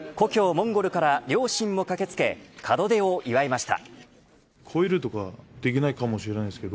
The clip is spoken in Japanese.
モンゴルから両親も駆け付け門出を祝いました。